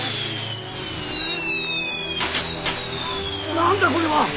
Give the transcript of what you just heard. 何だこれは！